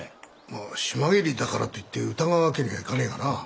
まあ島帰りだからといって疑う訳にはいかねえがな。